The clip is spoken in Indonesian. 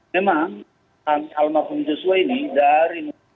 memang almarhum joshua ini dari